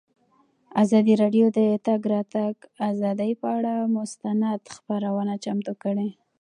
ازادي راډیو د د تګ راتګ ازادي پر اړه مستند خپرونه چمتو کړې.